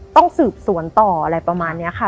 ต้องสืบสวนต่ออะไรประมาณนี้ค่ะ